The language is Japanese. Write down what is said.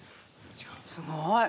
すごい。